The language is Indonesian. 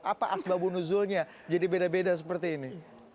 apa asbabunuzulnya jadi beda beda seperti ini